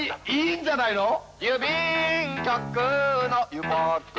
いいんじゃないの？